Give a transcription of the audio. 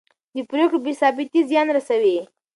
د پرېکړو بې ثباتي زیان رسوي